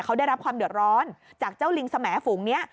เขาได้รับความเดือดร้อนจากเจ้าลิงสมฝูงนี้